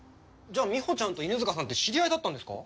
じゃあみほちゃんと犬塚さんって知り合いだったんですか？